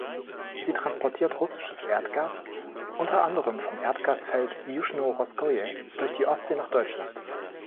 Sie transportiert russisches Erdgas unter anderem vom Erdgasfeld Juschno-Russkoje durch die Ostsee nach Deutschland.